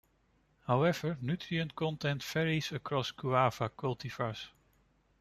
However, nutrient content varies across guava cultivars.